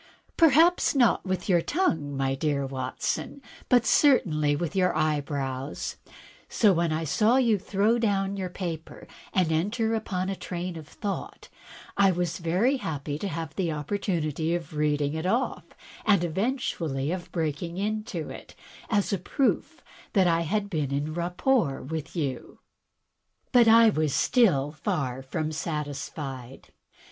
"Perhaps not w^th your tongue, my dear Watson, but certainly with your eyebrows. So when I saw you throw down your paper and enter upon a train of thought, I was very happy to have the oppor tunity of reading it off, and eventually of breaking into it, as a proof that I had been in rapport with you." 130 THE TECHNIQUE OF THE MYSTERY STORY But I was still far from satisfied.